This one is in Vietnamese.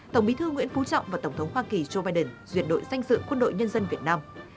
tổng bí thư nguyễn phú trọng và tổng thống hoa kỳ joe biden duyệt đội danh dự quân đội nhân dân việt nam